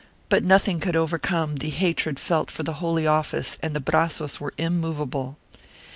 IV] ARAGON 461 but nothing could overcome the hatred felt for the Holy Office and the brazos were immovable.